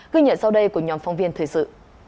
ghi nhận sau đây của nhóm phóng viên thời sự